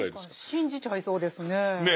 信じちゃいそうですね。